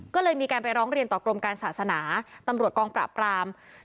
ก็เลยมีการไปร้องเรียนต่อกรมการศาสนาตำรวจกองปราบปราม